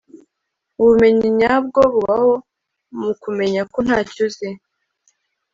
ubumenyi nyabwo bubaho mu kumenya ko ntacyo uzi